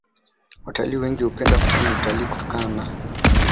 Watalii wengi hupenda kufanya utalii kutokana na